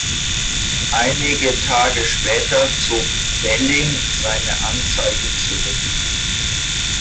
Einige Tage später zog Belling seine Anzeige zurück.